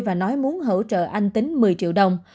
và nói muốn hỗ trợ anh tính một mươi triệu đồng